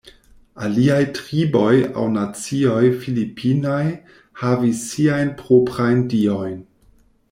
Aliaj triboj aŭ nacioj Filipinaj havis siajn proprajn diojn.